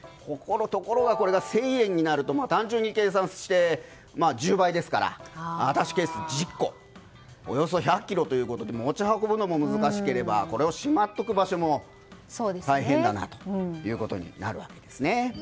ところが、これが１０００円になると単純に計算して１０倍ですからアタッシェケース１０個およそ１００ｋｇということで持ち運ぶのも難しければこれをしまっておく場所も大変だなということになるわけです。